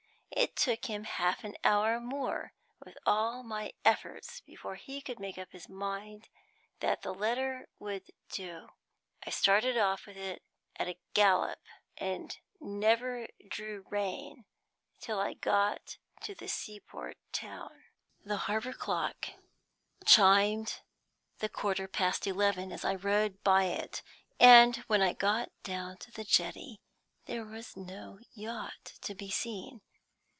It took half an hour more, with all my efforts, before he could make up his mind that the letter would do. I started off with it at a gallop, and never drew rein till I got to the sea port town. The harbor clock chimed the quarter past eleven as I rode by it, and when I got down to the jetty there was no yacht to be seen.